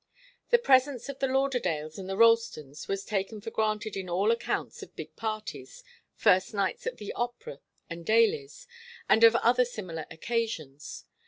The presence of the Lauderdales and the Ralstons was taken for granted in all accounts of big parties, first nights at the opera and Daly's, and of other similar occasions.